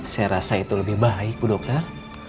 saya rasa itu lebih baik bu dokter